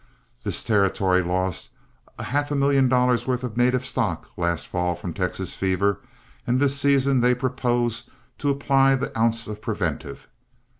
This territory lost half a million dollars' worth of native stock last fall from Texas fever, and this season they propose to apply the ounce of preventive.